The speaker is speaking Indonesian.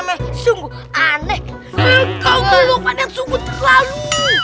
enggak engkau tuh lo pada sungguh terlalu